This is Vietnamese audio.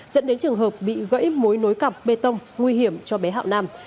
dẫn đến trường hợp bị gãy mối nối cọc bê tông nguy hiểm cho bé hạo nam